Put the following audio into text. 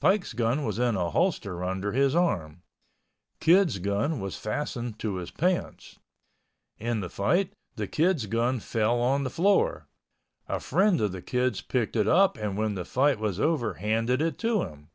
Pike's gun was in a holster under his arm. Kid's gun was fastened to his pants. In the fight, the Kid's gun fell on the floor. A friend of the Kid's picked it up and when the fight was over handed it to him.